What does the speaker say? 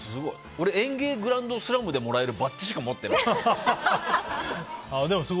俺「ＥＮＧＥＩグランドスラム」でもらえるバッジしか持ってない。